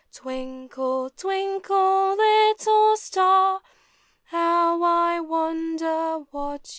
Twixklk, twinkle, little star; How I wonder what you are!